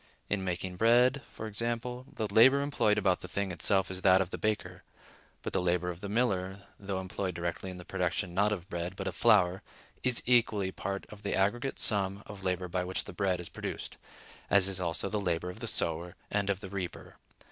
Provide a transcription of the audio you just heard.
In making bread, for example, the labor employed about the thing itself is that of the baker; but the labor of the miller, though employed directly in the production not of bread but of flour, is equally part of the aggregate sum of labor by which the bread is produced; as is also the labor of the sower, and of the reaper.